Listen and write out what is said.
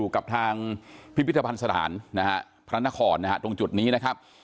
กับทางพิพิทธภัณฑ์สถานพระนครตรงจุดนี้นะครับ